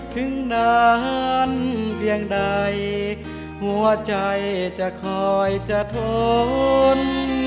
ถึงนานเพียงใดหัวใจจะคอยจะทน